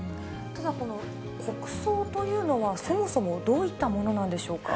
ただ、この国葬というのは、そもそもどういったものなのでしょうか。